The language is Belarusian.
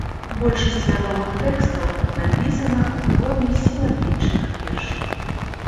Большасць вядомых тэкстаў напісана ў форме сілабічных вершаў.